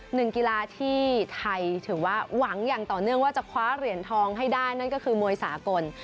หนึ่งกีฬาที่ไทยถือว่าหวังอย่างต่อเนื่องว่าจะคว้าเหรียญทองให้ได้นั่นก็คือมวยสากล